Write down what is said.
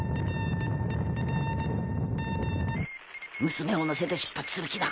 娘を乗せて出発する気だ